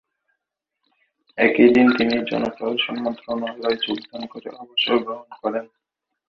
একই দিন তিনি জনপ্রশাসন মন্ত্রণালয়ে যোগদান করে অবসর গ্রহণ করেন।